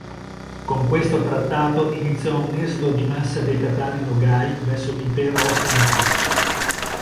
Con questo trattato iniziò un esodo di massa dei tatari Nogai verso l'Impero ottomano.